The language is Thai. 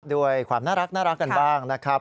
ด้วยความน่ารักกันบ้างนะครับ